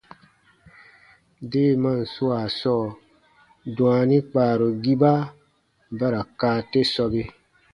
Deemaan swaa sɔɔ, dwaani kpaarugiba ba ra kaa te sɔbe.